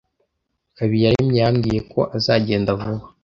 Habiyaremye yambwiye ko azagenda vuba.